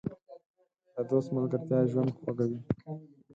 د دوست ملګرتیا ژوند خوږوي.